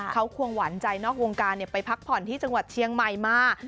เขาควงหวานใจนอกวงการไปพักผ่อนที่จังหวัดเชียงใหม่มา